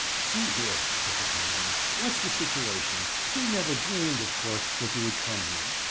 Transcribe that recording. "See here," said the commodore, "what's the situation? We never dreamed, of course, that you would come here.